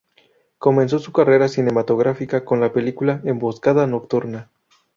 Comenzó su carrera cinematográfica con la película Emboscada nocturna.